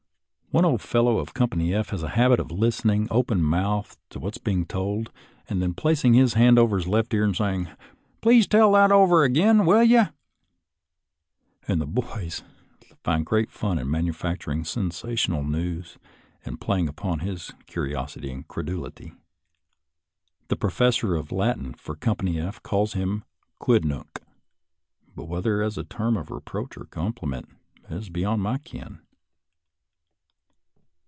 One old fellow of Com BARLT EXPERIENCES IN CAMP 21 pany F has a habit of listening open mouthed to what is being told, and then placing a hand to his left ear and saying, " Please tell that over again, will you? " and the boys find great fun in manufacturing sensational news and playing upon his curiosity and credulity. The professor of Latin for Company F calls him a quidnunc, but whether as a term of reproach or compliment is beyond my ken.